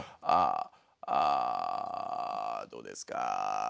アどうですか？